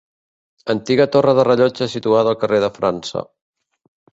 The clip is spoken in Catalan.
Antiga torre del rellotge situada al carrer de França.